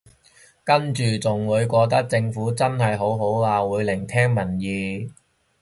跟住仲會覺得政府真係好好啊會聆聽民意